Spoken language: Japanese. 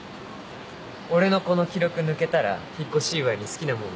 俺のこの記録抜けたら引っ越し祝いに好きなもの